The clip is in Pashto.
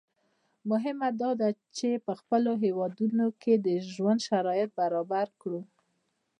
مهمه دا ده چې په خپلو هېوادونو کې د ژوند شرایط برابر کړو.